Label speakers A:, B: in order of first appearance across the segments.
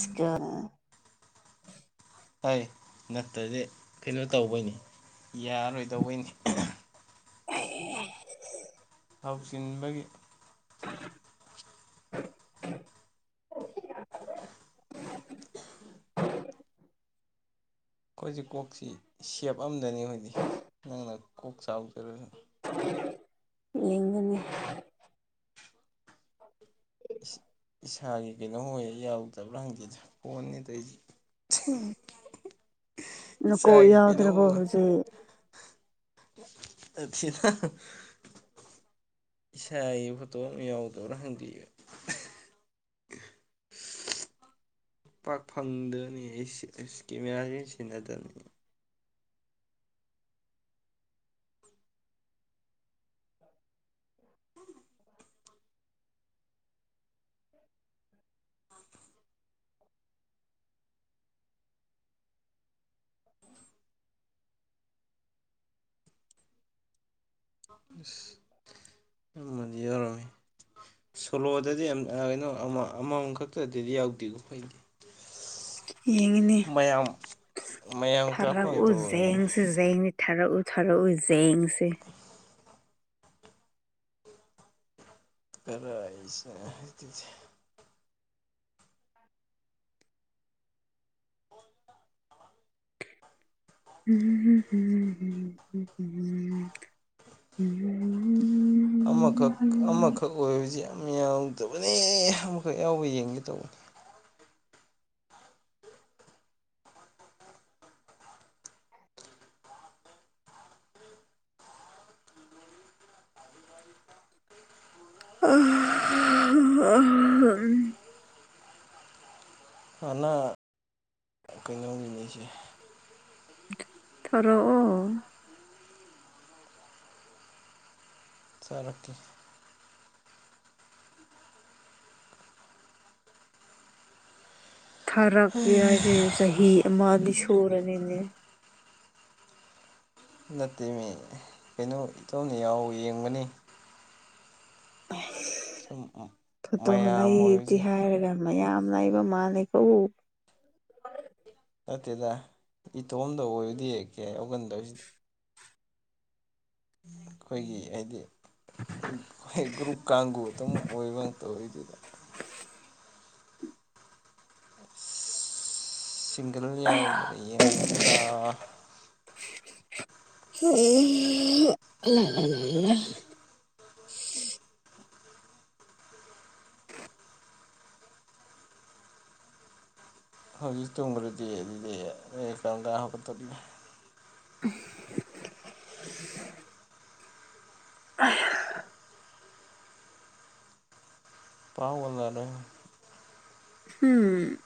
A: ꯁꯀ
B: ꯐꯩ ꯅꯠꯇꯗꯤ ꯀꯩꯅꯣ ꯇꯧꯕꯩꯅꯤ ꯌꯥꯔꯣꯏꯗꯧꯕꯩꯅꯤ
A: ꯑꯦ
B: ꯊꯥꯎꯖꯤꯟꯕꯒꯤ [inaudible] [inaudible] ꯑꯩꯈꯣꯏꯁꯤ ꯀꯣꯛꯁꯤ ꯁꯦꯞ ꯑꯗꯅꯤ ꯑꯩꯏꯗꯤ ꯅꯪꯅ ꯀꯣꯛ ꯆꯥꯎꯖꯔꯁꯨ
A: ꯌꯦꯡꯒꯅꯤ
B: ꯏꯁꯥꯒꯤ ꯀꯩꯅꯣ ꯍꯌꯦ ꯌꯥꯎꯗꯕ꯭ꯔꯥ ꯍꯪꯗꯦꯗ ꯀꯣꯟꯅꯤꯗ ꯑꯩꯗꯤ
A: ꯎꯝ ꯅꯀꯣꯛ
B: ꯏꯁꯥꯒꯤ ꯀꯩꯅꯣ
A: ꯌꯥꯎꯗ꯭ꯔꯕꯣ ꯍꯧꯖꯤꯛ
B: ꯑꯗꯨꯗ ꯏꯁꯁ ꯑꯩ ꯐꯇꯣ ꯑꯃ ꯌꯥꯎꯗꯧꯅ ꯍꯪꯗꯤ ꯄꯥꯛ ꯐꯪꯗꯅꯤ ꯀꯦꯃꯦꯔꯥꯁꯤ ꯁꯤꯟꯅꯗꯕꯅꯤ
A: [inaudible] [unintelligible]
B: ꯑꯁ ꯑꯃꯗꯤ ꯌꯥꯎꯔꯝꯃꯤ ꯁꯣꯂꯣꯗꯗꯤ ꯀꯩꯅꯣ ꯑꯃꯃꯝ ꯈꯛꯇꯗꯤꯗꯤ ꯌꯥꯎꯗꯦꯀꯣ ꯑꯩꯈꯣꯏꯗꯤ
A: ꯌꯦꯡꯉꯤꯅꯦ
B: ꯃꯌꯥꯝ ꯃꯌꯥꯝ
A: ꯐꯔꯛꯎ
B: ꯀꯥꯞꯄꯥꯡꯇꯧꯕꯅꯤ
A: ꯌꯦꯡꯁꯤ ꯌꯦꯖꯦꯡꯉ ꯊꯥꯔꯛꯎ ꯊꯔꯛꯎ ꯌꯦꯖꯦꯡꯁꯦ
B: ꯈꯔ ꯑꯩꯁ
A: ꯎꯝ
B: ꯑꯃꯈꯛ ꯑꯃꯈꯛ ꯑꯣꯏꯕꯁꯤ ꯌꯥꯝ ꯌꯥꯎꯗꯕꯅꯦ ꯑꯃꯈꯛ ꯌꯥꯎꯕ ꯌꯦꯡꯒꯦ ꯇꯧꯕꯅꯤ
A: [unintelligible]
B: ꯑꯅ ꯀꯩꯅꯣꯒꯤꯅꯦꯁꯦ
A: ꯊꯣꯔꯛꯑꯣ
B: ꯆꯠꯀ
A: ꯊꯥꯔꯛꯀꯦ ꯍꯥꯏꯁꯦ ꯆꯍꯤ ꯑꯃꯗꯤꯗꯤ ꯁꯨꯔꯅꯤꯅꯦ
B: ꯅꯠꯇꯦ ꯃꯤ ꯀꯩꯅꯣ ꯏꯇꯣꯝꯅ ꯌꯥꯎ ꯌꯦꯡꯕꯅꯤ ꯑ ꯑ
A: ꯐꯣꯇꯣ ꯂꯩꯗꯤ ꯍꯥꯏꯔꯒ ꯃꯌꯥꯝ ꯂꯩꯏꯕ ꯃꯥꯜꯅꯤꯀꯣ
B: ꯅꯠꯇꯦꯗ ꯏꯇꯣꯝꯗ ꯑꯣꯏꯔꯗꯤ ꯍꯦꯛꯀꯦ ꯍꯧꯒꯟꯗꯧꯁꯤꯗ ꯑꯩꯈꯣꯏꯒꯤ ꯍꯥꯏꯗꯤ ꯒ꯭ꯔꯨꯞ ꯀꯥꯡꯕꯨ ꯑꯗꯨꯝ ꯑꯣꯏꯕ ꯇꯧ ꯑꯣꯏꯗꯨꯗ ꯇꯤꯡꯒꯜ
A: ꯑꯌꯥ
B: ꯌꯥꯎꯕ꯭ꯔꯥ ꯌꯦꯡꯕꯅꯤꯗ
A: ꯎꯝ ꯂ
B: ꯍ ꯍꯧꯖꯤꯛ ꯇꯣꯡꯕ꯭ꯔꯗꯤ ꯑꯗꯨ ꯂꯩ ꯀꯗꯥꯛꯇ
A: [inaudible] ꯑ
B: ꯄꯥꯎꯒꯗꯔꯦ
A: ꯍꯝ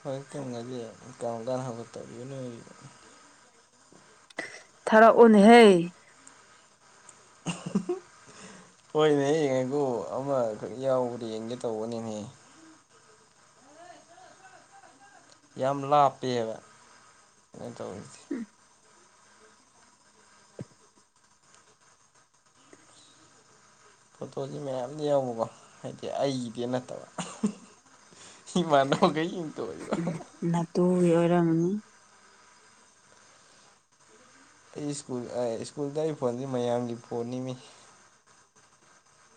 B: ꯍꯣꯏ ꯑꯗꯨꯅꯨꯡ ꯉꯗꯤ ꯀꯥꯎꯒꯥꯟ ꯍꯕ ꯇꯅ ꯑꯣꯏ
A: ꯊꯔ ꯑꯣꯟꯅ ꯍꯦ
B: [inaudible] ꯍꯣꯏꯅꯦ ꯌꯦꯡꯉꯒ ꯑꯃꯈꯛ ꯌꯥꯎꯕ꯭ꯔ ꯌꯦꯡꯒꯦ ꯇꯧꯕꯅꯤꯅꯦ ꯌꯥꯝ ꯂꯥꯞꯄꯦꯕ ꯑꯗꯨꯃꯥꯏꯅ ꯇꯧꯔꯤꯁꯦ ꯐꯣꯇꯣꯁꯤ ꯃꯌꯥꯝ ꯌꯥꯎꯕꯀꯣ ꯍꯥꯏꯗꯤ ꯑꯩꯒꯤꯗꯤ ꯅꯠꯇꯕ ꯏ ꯃꯥꯅꯧ ꯀ ꯏ
A: ꯅꯠꯇꯨ ꯑꯣꯏꯔꯥ ꯃꯅꯤ
B: ꯑꯩ ꯁ꯭ꯀꯨꯜ ꯁ꯭ꯀꯨꯜꯗ ꯑꯩ ꯐꯣꯟꯗ ꯃꯌꯥꯝꯒꯤ ꯐꯣꯟꯅꯤꯃꯤ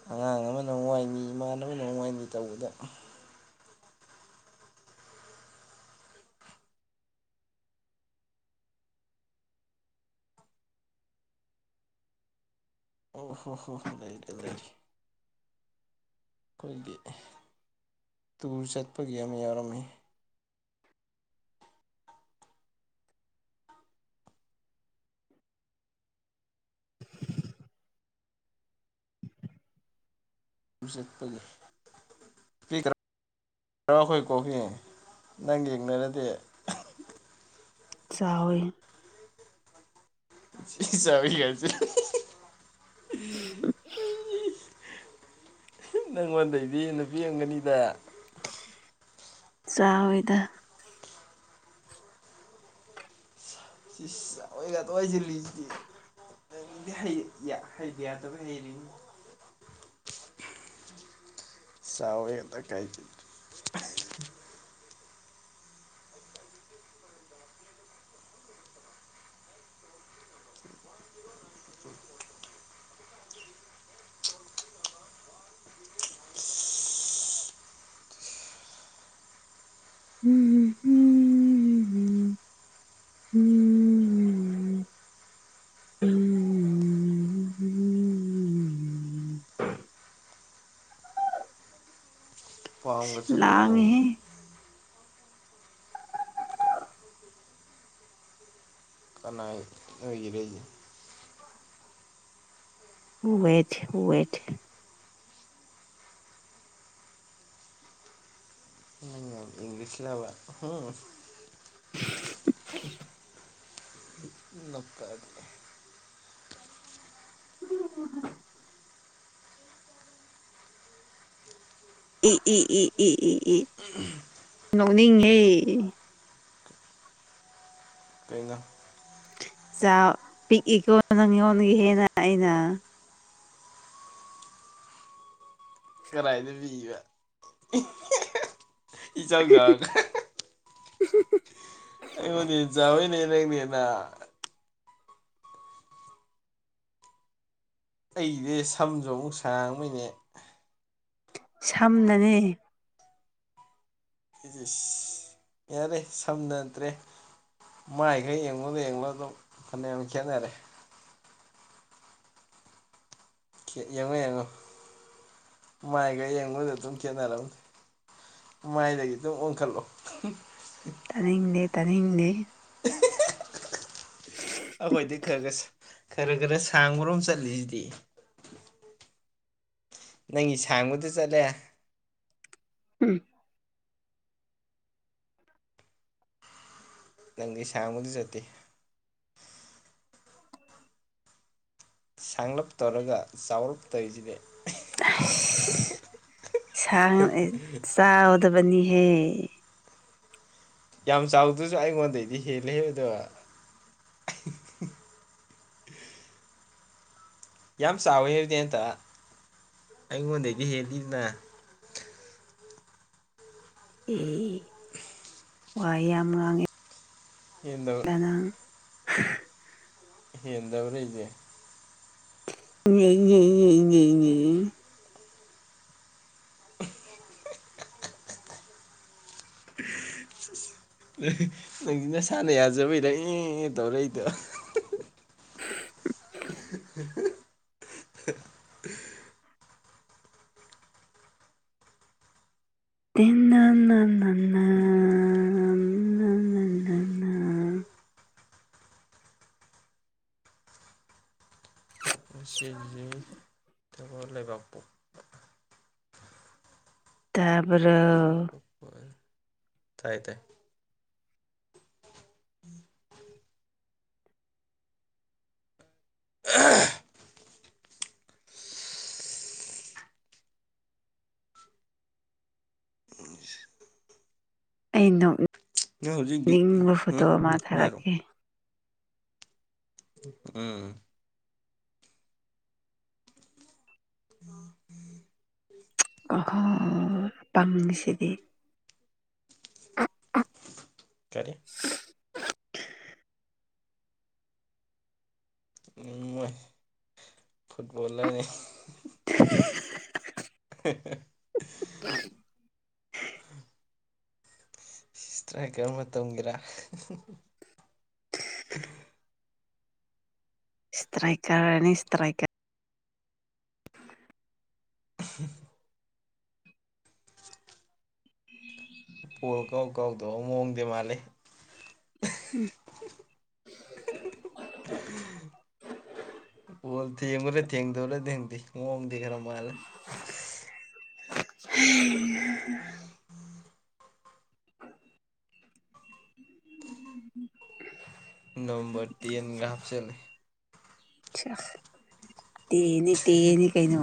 B: ꯑꯉꯥꯡ ꯑꯃꯅ ꯅꯨꯡ ꯋꯥꯏꯅꯤ ꯏꯃꯥꯟꯅꯕꯅ ꯅꯨꯡ ꯋꯥꯥꯏꯅꯤ ꯇꯧꯕꯗ ꯑꯣ ꯍꯣ ꯍꯣ ꯍꯣꯏ ꯂꯩꯔꯦ ꯂꯩꯔꯦ ꯑꯩꯈꯣꯏꯒꯤ ꯇꯨꯔ ꯆꯠꯄꯒꯤ ꯑꯃ ꯌꯥꯎꯔꯝꯃꯤ
A: [inaudible]
B: ꯁꯄꯤꯔ ꯌꯥꯔꯣ ꯑꯩꯈꯣꯏ ꯀꯣꯛꯒꯤ ꯅꯪ ꯌꯦꯡꯅꯔꯗꯤ
A: ꯆꯥꯎꯦ
B: ꯁꯤ ꯆꯕꯕꯤ ꯀꯁꯦ ꯅꯪꯉꯣꯟꯗꯩꯗꯤ ꯅꯨꯄꯤ ꯑꯃꯝꯒꯅꯤꯗ
A: ꯆꯥꯎꯗ
B: ꯁꯤꯣꯏꯒꯗꯋꯥꯏꯁꯤꯜꯂꯤꯁꯤꯗꯤ ꯗꯤ ꯍꯥꯏꯗꯤꯌꯥꯗ ꯍꯥꯏꯩꯔꯤ ꯁꯑꯣꯣꯏꯗ ꯀꯩ ꯀ
A: [inaudible] ꯎꯝ ꯎꯝ
B: ꯄꯍꯝꯒꯁꯦ ꯇꯨꯔꯕ
A: ꯂꯥꯡꯉꯦꯍꯦ
B: ꯀꯅꯥ ꯑꯣꯏꯔ
A: ꯍꯋꯦꯠ ꯍꯋꯦꯠ
B: ꯎ ꯏꯪꯂꯤꯁ ꯂꯕ ꯎꯝ ꯅꯇ
A: ꯎ ꯎ ꯎ ꯎ ꯎ ꯎ
B: ꯎꯝ
A: ꯅꯤꯉꯦ
B: ꯀꯩꯩꯅ
A: ꯆ ꯄꯤꯛꯏꯀꯣ ꯅꯪ ꯌꯣꯟꯒꯦ ꯍꯦꯟꯅ ꯑꯩꯅ
B: ꯀꯔꯥꯏꯗ ꯐꯤ ꯏ ꯆꯥꯎꯖꯔ
A: [inaudible]
B: ꯑꯩꯉꯣꯟꯗꯤ ꯆꯥꯎꯥꯋꯣꯏꯅꯦ ꯅꯪꯅꯦꯅ ꯑꯩꯗꯤꯦ ꯁꯝꯖꯣ ꯃꯨꯛꯁꯥꯡꯕꯅꯦ
A: ꯁꯝꯅꯅꯦ
B: ꯌꯥꯔꯦ ꯁꯝꯅꯗ꯭ꯔꯦ ꯃꯥꯏꯈꯩ ꯌꯦꯡꯉꯣꯗꯣ ꯌꯦ ꯌꯦꯡꯂꯣꯗ ꯐꯅ ꯌꯥꯝ ꯈꯦꯠꯅꯔꯦ ꯌꯦꯡꯉꯣ ꯌꯦꯡꯉꯣ ꯃꯥꯏꯒ ꯌꯦꯡꯉꯨꯗ ꯑꯗꯨꯝ ꯈꯦꯠꯅꯔꯅꯦ ꯃꯥꯏꯗꯒꯤ ꯑꯗꯨꯝ ꯑꯣꯟꯈꯠꯂꯣ
A: ꯇꯅꯤꯡꯗꯦ ꯇꯅꯤꯡꯗꯦ
B: ꯑꯩꯈꯣꯏꯗꯤ ꯈꯔ ꯈꯔ ꯈꯔ ꯈꯔ ꯁꯥꯡꯕꯔꯣꯝ ꯆꯠꯂꯤꯁꯤꯗꯤ ꯅꯪꯒꯤ ꯁꯥꯡꯕꯗ ꯆꯠꯂꯦ
A: ꯎꯝ
B: ꯅꯪꯒꯤ ꯁꯃꯗꯤ ꯆꯇꯦ ꯁꯥꯡꯂꯞ ꯇꯧꯔꯒ ꯆꯥꯎꯔꯞ ꯇꯧꯔꯤꯁꯤꯅꯦ
A: ꯁꯥꯡ ꯆ ꯆꯥꯎꯗꯕꯅꯤ ꯍ
B: ꯌꯥꯝ ꯆꯥꯎꯗ꯭ꯔꯁꯨ ꯑꯩꯉꯣꯟꯗꯩꯗꯤ ꯍꯦꯜꯂꯦꯗ ꯌꯥꯝ ꯆꯥꯎꯋꯦ ꯍꯥꯏꯔꯗꯤ ꯑꯟꯇ ꯑꯩꯉꯣꯟꯗꯗꯒꯤꯗꯤ ꯍꯦꯜꯂꯤꯗꯅ
A: ꯑꯦ ꯋꯥꯏ ꯌꯥꯝ ꯉꯥꯡꯉꯦ
B: ꯌꯦꯅꯤ
A: [unintelligible]
B: ꯍꯦꯟꯗꯕ꯭ꯔ ꯏꯁꯦ
A: ꯏꯏꯏ [unintelligible]
B: ꯅꯪꯁꯤ ꯅꯁꯥꯟꯅ ꯌꯥꯖꯕꯩꯔꯅꯦ ꯇꯧꯔꯛꯏꯗꯣ [inaudible]
A: ꯊ
B: [unintelligible] ꯆꯦꯖꯦ
A: ꯇꯄ
B: ꯄꯣꯛꯄ ꯇꯥꯏ ꯇ
A: ꯑ
B: ꯅꯪ ꯍꯧꯖꯤꯛꯀꯤ
A: ꯅꯣꯛꯅꯤꯡꯕ ꯐꯣꯇꯣ
B: ꯍꯨꯝ
A: ꯑꯃ
B: ꯍꯥꯏꯔꯣ
A: ꯊꯥꯔꯛꯀꯦ
B: ꯎꯝ
A: ꯑꯍꯣ ꯄꯪꯁꯤꯗꯤ
B: ꯀꯔꯤ ꯃꯣꯏ ꯐꯨꯠꯕꯣꯂꯔꯅꯤ ꯇ꯭ꯔꯦꯛꯀꯔ ꯃꯇꯝꯒꯤꯦꯔꯥ
A: ꯏꯁꯇ꯭ꯔꯩꯀꯔꯅꯤ ꯏꯁꯇ꯭ꯔꯩꯀꯔ
B: ꯗ ꯃꯥꯅꯦ ꯊꯦꯡꯈꯔꯦ ꯊꯦꯡꯗꯧꯔ ꯊꯦꯡꯗꯤꯦ ꯃꯑꯣꯡꯗꯤ ꯈꯔ ꯃꯥꯜꯂꯦ ꯔ ꯇꯦꯟꯒ ꯍꯥꯞꯆꯤꯂ
A: ꯇꯅꯤ ꯇꯅꯤ ꯀꯥꯏꯅ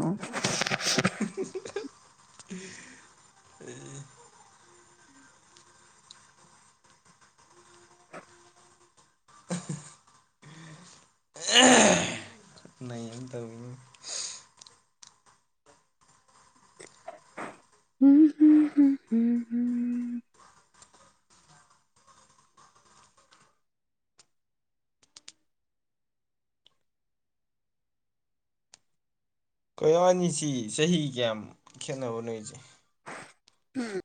B: ꯅꯩ ꯑꯃ ꯇꯧꯋꯤꯅꯦ
A: ꯍꯨꯝ ꯍꯨꯝ ꯍꯨꯝ ꯍꯨꯝ ꯍꯨꯝ
B: ꯀꯣꯏꯌꯥꯅꯤꯁꯤ ꯆꯍꯤ ꯀꯌꯥꯝ ꯈꯦꯠꯅꯕꯅꯣꯁꯦ
A: ꯎꯝ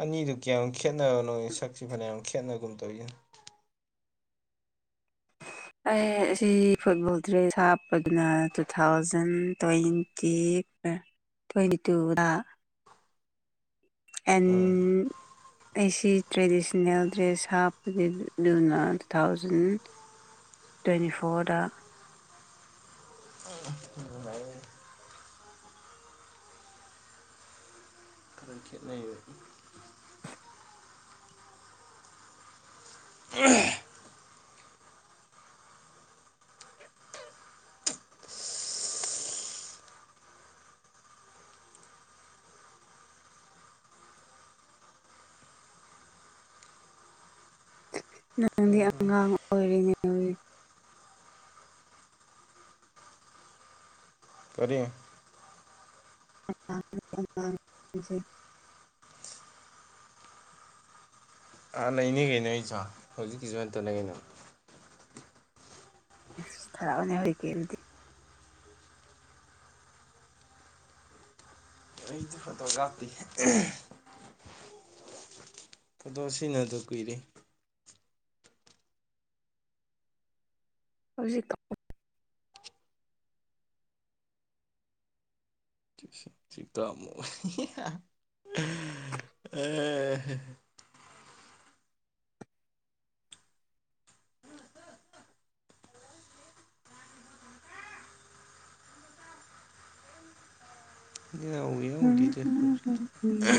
B: ꯑꯅꯤꯗꯨ ꯀꯌꯥꯝ ꯈꯦꯠꯅꯔꯕꯅꯣ ꯁꯛꯁꯤ ꯐꯅꯌꯥꯝ ꯈꯦꯠꯅꯒꯨꯝ ꯇꯧꯏꯅꯨ
A: ꯑꯩ ꯁꯤ ꯐꯨꯠꯕꯣꯜ ꯇ꯭ꯔꯦꯁ ꯍꯥꯞꯄꯗꯨꯅ ꯇꯨ ꯊꯥꯎꯖꯟ ꯇ꯭ꯋꯦꯟꯇꯤ ꯇꯋꯦꯟꯨ ꯑꯦꯟ ꯑꯩꯁꯤ ꯇ꯭ꯔꯦꯗꯤꯁꯟꯅꯜ ꯗ꯭ꯔꯦꯁ ꯍꯥꯞꯄꯅꯤ ꯑꯗꯨꯅ ꯇꯨ ꯊꯥꯎꯖꯟ ꯇ꯭ꯋꯦꯟꯇꯤ ꯐꯣꯔꯗ
B: ꯈꯔ ꯈꯦꯠꯅꯩꯌꯦ
A: [inaudible] ꯅꯪꯗꯤ ꯑꯉꯥꯡ ꯑꯣꯏꯔꯤꯅꯦꯏ
B: ꯀꯔꯤ
A: ꯑꯁꯦ
B: ꯑꯥ ꯂꯩꯅꯤ ꯁꯥꯔ ꯀꯩꯅꯣ ꯑꯩꯁꯨ ꯍꯧꯖꯤꯛꯀꯤꯁꯨ ꯍꯇꯅ ꯀꯩꯅꯣ
A: ꯊꯔꯥꯎ ꯃꯅꯦ ꯍ ꯀꯦ ꯑꯗꯨꯗꯤ
B: ꯑꯩ ꯐꯣꯇꯣꯒ꯭ꯔꯥꯐꯤ ꯐꯗꯣ ꯁꯤꯅ ꯑꯗꯨ ꯀꯨꯏꯔꯦ
A: ꯍꯧꯖꯤꯛꯇꯣ
B: ꯁꯤ ꯇꯃ ꯑ ꯌꯥꯎꯗꯤ ꯌꯥꯎꯗꯦꯗ ꯍꯧꯖꯤꯛ
A: ꯎꯝ